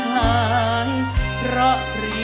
ไม่ใช้